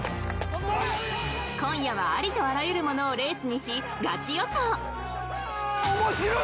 今夜はありとあらゆるものをレースにしガチ予想！